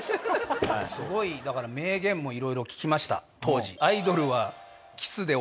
すごいだから名言もいろいろ聞きました当時。